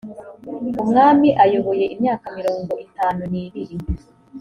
umwami ayoboye imyaka mirongo itatu n ibiri